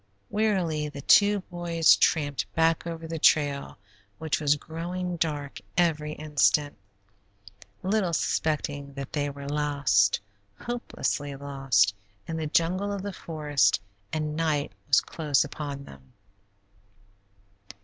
Wearily the two boys tramped back over the trail, which was growing darker every instant, little suspecting that they were lost, hopelessly lost, in the jungle of the forest, and night was close upon them.